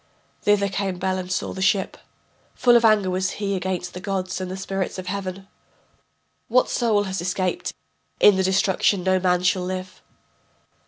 Thither came Bel and saw the ship, Full of anger was he Against the gods and the spirits of heaven: What soul has escaped! In the destruction no man shall live.